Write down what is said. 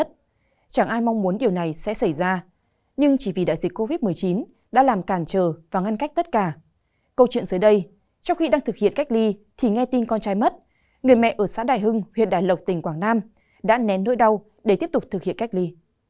trong khi đang thực hiện cách ly thì nghe tin con trai mất người mẹ ở xã đại hưng huyện đại lộc tỉnh quảng nam đã nén nỗi đau để tiếp tục thực hiện cách ly